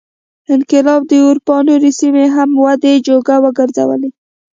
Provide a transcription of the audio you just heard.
انقلاب د اروپا نورې سیمې هم ودې جوګه وګرځولې.